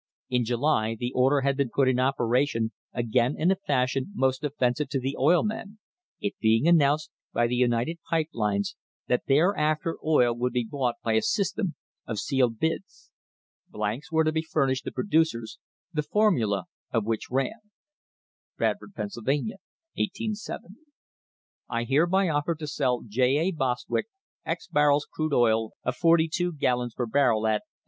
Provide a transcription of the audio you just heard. In July the order had been put in operation again in a fashion most offensive to the oil men, it being an nounced by the United Pipe Lines that thereafter oil would be bought by a system of sealed bids. Blanks were to be fur nished the producers, the formula of which ran: Bradford, Pennsylvania, 187 .. I hereby offer to sell J. A. Bostwick barrels crude oil, of forty two gallons per barrel, at